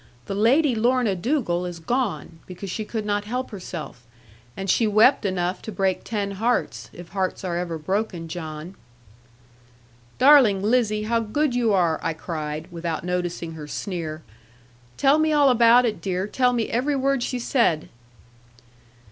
The Lady Lorna Dugal is gone, because she could not help herself; and she wept enough to break ten hearts if hearts are ever broken, John.' 'Darling Lizzie, how good you are!' I cried, without noticing her sneer; 'tell me all about it, dear; tell me every word she said.'